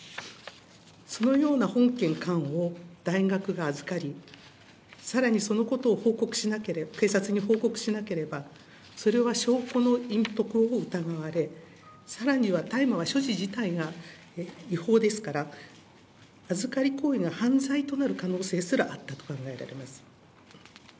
そのような本件缶を大学が預かり、さらにそのことを警察に報告しなければ、それは証拠の隠匿を疑われ、さらには大麻は所持自体が違法ですから、預かり行為が犯罪となる可能性すらあったと考えられます。